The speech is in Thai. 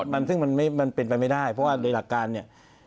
มันซึ่งมันเป็นไปไม่ได้เพราะว่าโดยหลักการเนี่ย